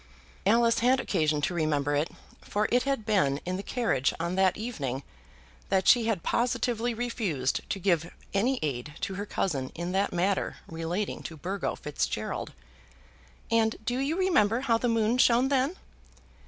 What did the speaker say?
Alice had occasion to remember it, for it had been in the carriage on that evening that she had positively refused to give any aid to her cousin in that matter relating to Burgo Fitzgerald. "And do you remember how the moon shone then?"